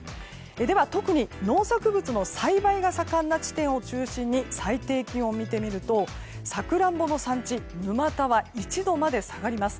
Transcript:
では、特に農作物の栽培が盛んな地点を中心に最低気温を見てみるとサクランボの産地沼田は１度まで下がります。